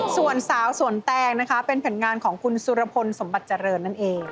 ส่วนสาวสวนแตงนะคะเป็นผลงานของคุณสุรพลสมบัติเจริญนั่นเอง